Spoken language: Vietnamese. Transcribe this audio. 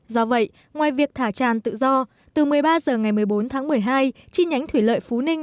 do vậy ngoài việc thả tràn tự do từ một mươi ba h ngày một mươi bốn tháng một mươi hai chi nhánh thủy lợi phú ninh